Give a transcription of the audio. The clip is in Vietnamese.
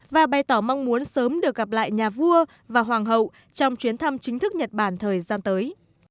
và bày tỏ mong muốn sớm được gặp lại nhà vua và hoàng hậu trong chuyến thăm chính thức nhật bản thời gian tới